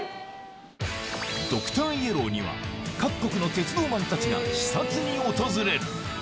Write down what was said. ドクターイエローには各国の鉄道マンたちが視察に訪れる